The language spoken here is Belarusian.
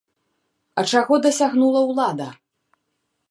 А чаго дасягнула ўлада?